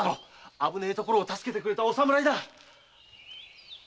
危ねえところ助けてくれたお侍だ。